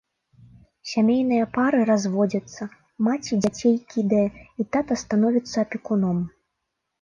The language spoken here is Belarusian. Сямейныя пары разводзяцца, маці дзяцей кідае і тата становіцца апекуном.